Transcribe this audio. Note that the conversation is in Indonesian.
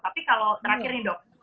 tapi kalau terakhir nih dok